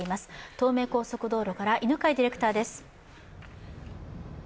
東名高速道路から犬飼ディレクターです。